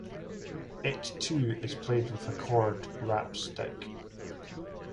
It, too, is played with a cord wrapped stick.